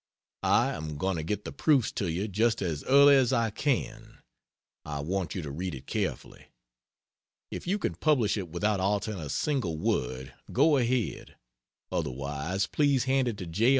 I am going to get the proofs to you just as early as I can. I want you to read it carefully. If you can publish it without altering a single word, go ahead. Otherwise, please hand it to J.